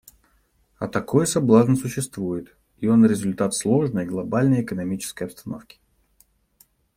А такой соблазн существует, и он результат сложной глобальной экономической обстановки.